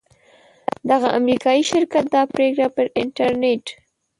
دغه امریکایي شرکت دا پریکړه پر انټرنیټ